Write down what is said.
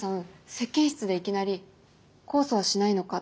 接見室でいきなり「控訴はしないのか？」